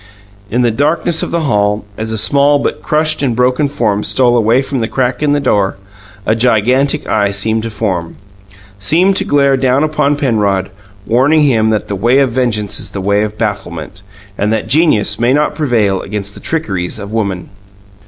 In the darkness of the hall, as a small but crushed and broken form stole away from the crack in the door, a gigantic Eye seemed to form seemed to glare down upon Penrod warning him that the way of vengeance is the way of bafflement, and that genius may not prevail against the trickeries of women.